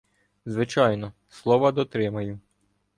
Звичайно, слова дотримаю.